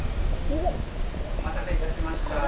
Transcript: お待たせいたしました。